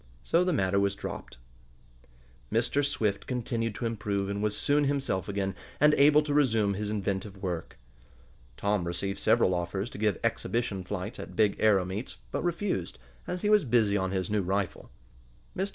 So the matter was dropped. Mr. Swift continued to improve, and was soon himself again, and able to resume his inventive work. Tom received several offers to give exhibition flights at big aero meets, but refused, as he was busy on his new rifle. Mr.